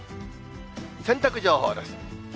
洗濯情報です。